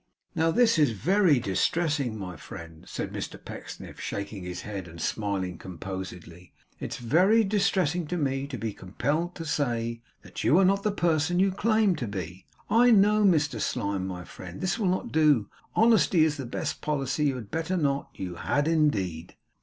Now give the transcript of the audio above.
'Now, this is very distressing, my friend,' said Mr Pecksniff, shaking his head and smiling composedly. 'It is very distressing to me, to be compelled to say that you are not the person you claim to be. I know Mr Slyme, my friend; this will not do; honesty is the best policy you had better not; you had indeed.